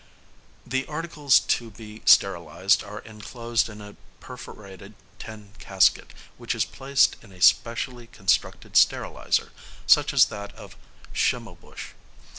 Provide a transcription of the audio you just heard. The articles to be sterilised are enclosed in a perforated tin casket, which is placed in a specially constructed steriliser, such as that of Schimmelbusch.